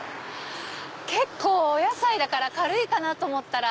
お野菜だから軽いと思ったら。